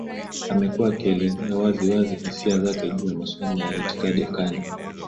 amekuwa akielezea wazi wazi hisia zake juu ya maswala ya itikadi kali